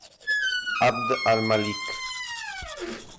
ʿAbd al-Malik.